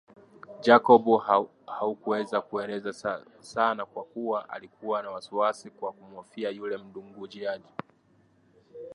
Jacob hakuweza kueleza sana kwa kuwa alikuwa na wasiwasi kwa kumhofia yule mdunguaji